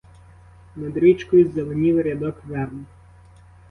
Над річкою зеленів рядок верб.